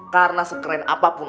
karena sekeren apapun